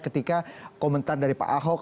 ketika komentar dari pak ahok